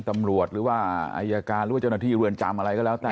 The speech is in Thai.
ตำรวจหรือว่าอายการหรือว่าเจ้าหน้าที่เรือนจำอะไรก็แล้วแต่